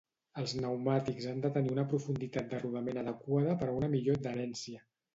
Els pneumàtics han de tenir una profunditat de rodament adequada per a una millor adherència.